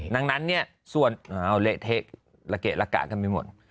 ดังนั้นเนี่ยส่วนเละเทะระเกะละกะกันไปหมด